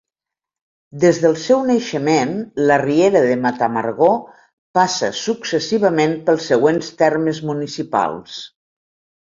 Des del seu naixement, la Riera de Matamargó passa successivament pels següents termes municipals.